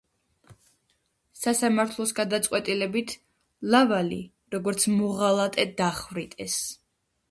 სასამართლოს გადაწყვეტილებით ლავალი, როგორც მოღალატე დახვრიტეს.